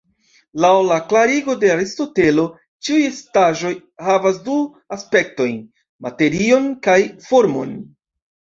Laŭ la klarigo de Aristotelo, ĉiuj estaĵoj havas du aspektojn, "materion" kaj "formon.